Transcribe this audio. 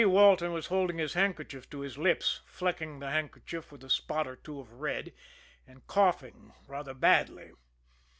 Walton was holding his handkerchief to his lips, flecking the handkerchief with a spot or two of red, and coughing rather badly.